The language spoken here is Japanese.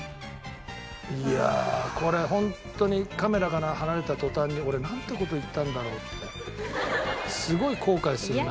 いやこれホントにカメラから離れた途端に俺なんて事言ったんだろうってすごい後悔するな。